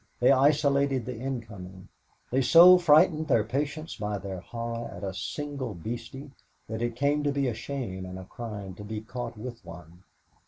They isolated the incoming, they so frightened their patients by their horror at a single beastie that it came to be a shame and a crime to be caught with one.